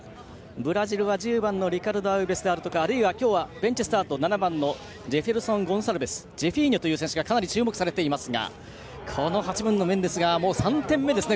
ブラジルは１０番のリカルド・アウベスであるとかあるいは今日、ベンチスタート７番のジェフェルソン・ゴンサルベスという選手がかなり注目されていますがこのメンデスが３点目ですね。